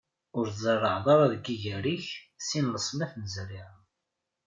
Ur tzerrɛeḍ ara deg yiger-ik sin n leṣnaf n zerriɛa.